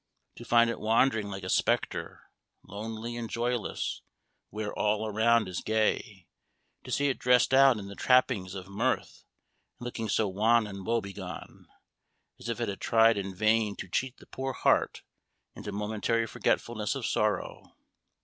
To find it wandering like a spectre, lonely and joyless, where all around is gay to see it dressed out in the trappings of mirth, and looking so wan and woe begone, as if it had tried in vain to cheat the poor heart into momentary forgetfulness of sorrow.